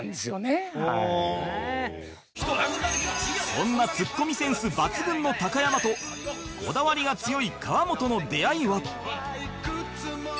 そんなツッコミセンス抜群の高山とこだわりが強い河本の出会いは